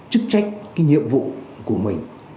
chức trách nhiệm vụ của mình